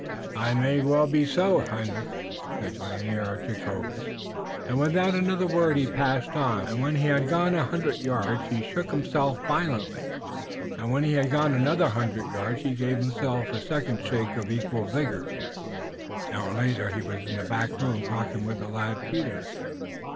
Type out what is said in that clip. "It may well be so, Hendrik," said Mynheer Jacobus, and without another word he passed on. When he had gone a hundred yards he shook himself violently, and when he had gone another hundred yards he gave himself a second shake of equal vigor. An hour later he was in the back room talking with the lad, Peter.